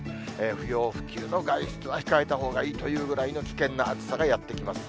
不要不急の外出は控えたほうがいいというぐらいの危険な暑さがやって来ます。